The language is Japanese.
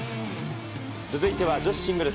続いては女子シングルス、